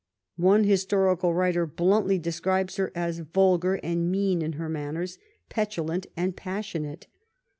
One historical writer bluntly describes her as ^' vulgar and mean in her manners, petulant and passionate."